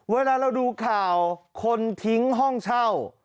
เวลาเราดูข่าวคนทิ้งห้องเช่า